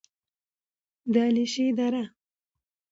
د علیشې دره: